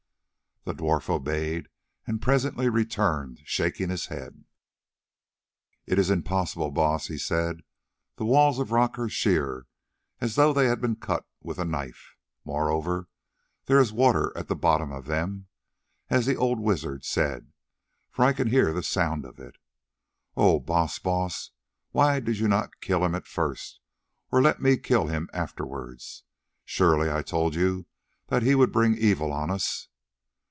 The dwarf obeyed and presently returned shaking his head. "It is impossible, Baas," he said; "the walls of rock are sheer as though they had been cut with a knife; moreover there is water at the bottom of them, as the old wizard said, for I can hear the sound of it. Oh! Baas, Baas, why did you not kill him at first, or let me kill him afterwards? Surely I told you that he would bring evil on us.